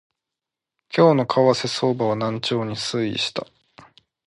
今日の為替相場は軟調に推移した